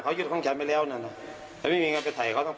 เขายึดของฉันนะมีเหรียญการไปไถ่ก็ต้อง